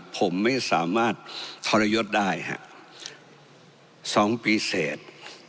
ผมไม่สามารถทรยศได้ฮะสองปีเสร็จ